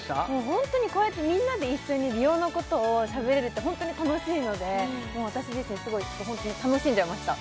ホントにこうやってみんなで一緒に美容のことをしゃべれるってホントに楽しいので私自身ホントに楽しんじゃいました